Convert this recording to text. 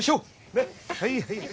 ねっはいはい